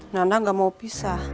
nana gak mau pisah